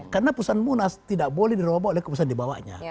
karena pusan munas tidak boleh diroboh oleh kepusan di bawahnya